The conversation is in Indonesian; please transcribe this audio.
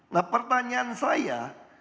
nah pertanyaan saya